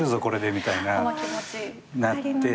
みたいななって。